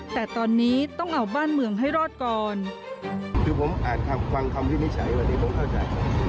แต่ตอนนี้ต้องเอาบ้านเมืองให้รอดก่อนคือผมอ่านคำฟังคำวินิจฉัยวันนี้ผมเข้าใจ